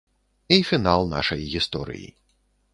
І фінал нашай гісторыі.